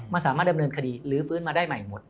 มันสามารถดำเนินคดีหรือฟื้นมาได้ใหม่หมด